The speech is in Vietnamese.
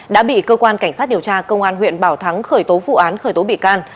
đã bị cơ quan cảnh sát điều tra công an huyện bảo thắng khởi tố vụ án khởi tố bị can